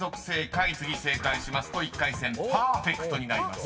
［次正解しますと１回戦パーフェクトになります］